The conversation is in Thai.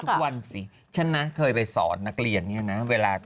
ทุกวันสิฉันเคยไปสอนนักเรียนเวลา